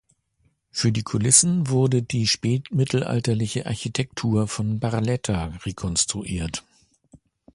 Für die Kulissen wurde die spätmittelalterliche Architektur von Barletta rekonstruiert.